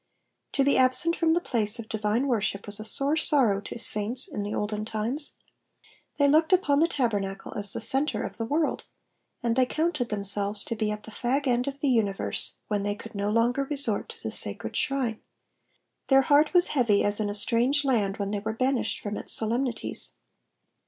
To be absent from the place of divine worship was a sore sorrow to saints in the olden times ; they Digitized by VjOOQIC PSALM THB SIXTY FIRST. 106 looked upon the tabeinacle as the centre of the world, and they counted them selves to be at the fag end of the universe when they could no longer resort to the sacred shrine ; their heart was heavy as in a strange land when they were banished from its solemnities.